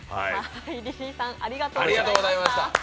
リリーさんありがとうございました。